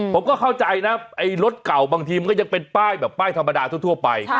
ผมก็เข้าใจนะไอ้รถเก่าบางทีมันก็ยังเป็นป้ายแบบป้ายธรรมดาทั่วไป